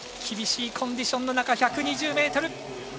厳しいコンディションの中、１２０ｍ。